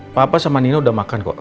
papa sama nina udah makan kok